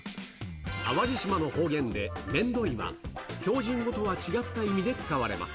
淡路島の方言でめんどいは、標準語とは違った意味で使われます。